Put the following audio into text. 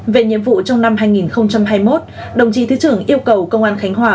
về nhiệm vụ trong năm hai nghìn hai mươi một đồng chí thứ trưởng yêu cầu công an khánh hòa